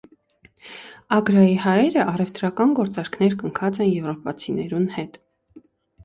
Ակրայի հայերը առեւտրական գործարքներ կնքած են եւրոպացիներուն հետ։